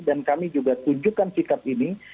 dan kami juga tunjukkan sikap ini